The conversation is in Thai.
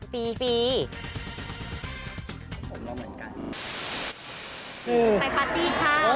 ไปพาร์ทตี้ครับ